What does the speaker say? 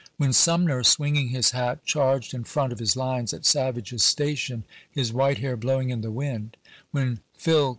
When Sumner, swinging his hat, charged in front of his lines at Savage's Station, his white hair blowing in the wind ; when Phil.